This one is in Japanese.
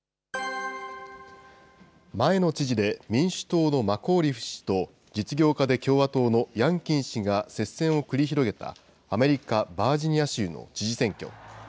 前の知事で民主党のマコーリフ氏と、実業家で共和党のヤンキン氏が接戦を繰り広げた、アメリカ・バージニア州の知事選挙。